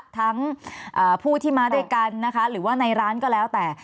ทั้งผู้ที่มาด้วยกันนะคะหรือว่าในร้านก็แล้วแต่